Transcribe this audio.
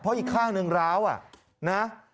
เพราะอีกข้างหนึ่งร้าวนะ